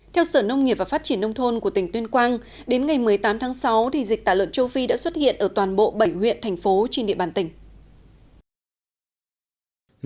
theo sở nông nghiệp và phát triển nông thôn của tỉnh tuyên quang đến ngày một mươi tám tháng sáu dịch tả lợn châu phi đã xuất hiện ở toàn bộ bảy huyện thành phố trên địa bàn tỉnh